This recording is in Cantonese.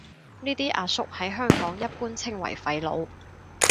呢啲阿叔喺香港一般稱為廢老